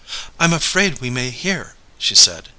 "I'm afraid we may hear!" she said.